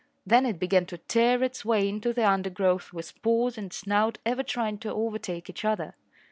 Then it began to tear its way into the undergrowth with paws and snout ever trying to overtake each other.